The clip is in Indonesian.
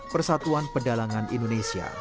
persatuan pedalangan indonesia